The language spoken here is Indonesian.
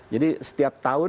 jadi setiap tahun